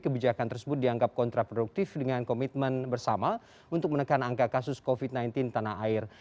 kebijakan tersebut dianggap kontraproduktif dengan komitmen bersama untuk menekan angka kasus covid sembilan belas tanah air